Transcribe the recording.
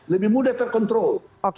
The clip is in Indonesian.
lebih mudah terkontrol